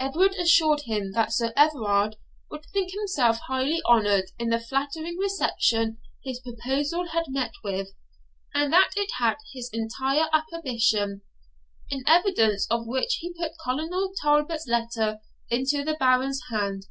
Edward assured him that Sir Everard would think himself highly honoured in the flattering reception his proposal had met with, and that it had his entire approbation; in evidence of which he put Colonel Talbot's letter into the Baron's hand.